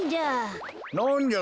なんじゃ？